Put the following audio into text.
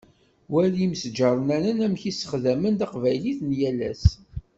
Wali imesǧarnanen amek sexdamen taqbaylit n yal ass.